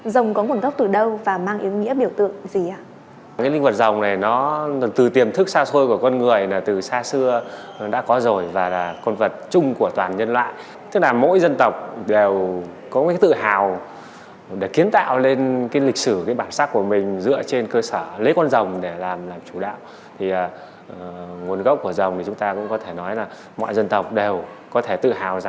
rồng có nguồn gốc từ đâu và mang ý nghĩa biểu tượng gì ạ